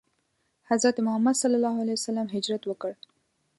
حضرت محمد ﷺ هجرت وکړ.